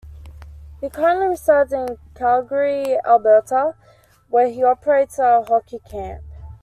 He currently resides in Calgary, Alberta, where he operates a hockey camp.